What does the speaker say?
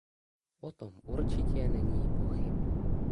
O tom určitě není pochyb.